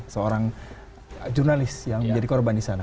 seorang jurnalis yang menjadi korban di sana